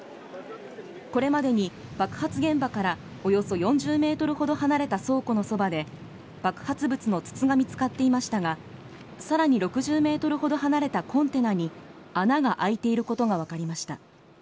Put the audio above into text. これまでに爆発現場からおよそ４０ｍほど離れた倉庫のそばで爆発物の筒が見つかっていましたがさらに６０ｍほど離れたコンテナに穴が開いていることが分かりました。